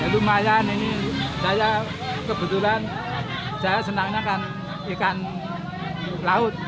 lumayan ini saya kebetulan saya senangnya kan ikan laut